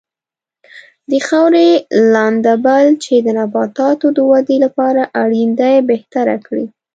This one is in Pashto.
د خاورې لنده بل چې د نباتاتو د ودې لپاره اړین دی بهتره کړي.